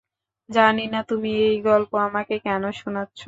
জানি না তুমি এই গল্প আমাকে কেন শোনাচ্ছো।